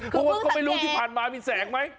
เพราะว่าก็ไม่รู้ที่ผ่านมามีแสงไหม